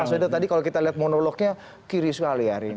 mas wedo tadi kalau kita lihat monolognya kiri sekali hari ini